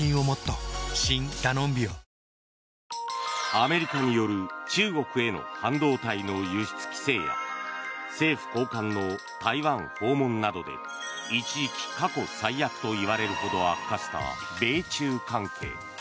アメリカによる中国への半導体の輸出規制や政府高官の台湾訪問などで一時期、過去最悪といわれるほど悪化した米中関係。